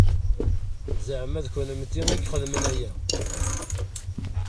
Zeɛma d kennemti i ixedmen aya?